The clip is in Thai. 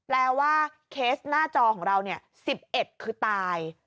ว่าเคสหน้าจอของเรา๑๑คือตาย